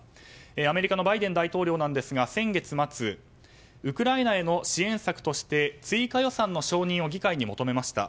アメリカのバイデン大統領なんですが先月末ウクライナへの支援策として追加予算の承認を議会に求めました。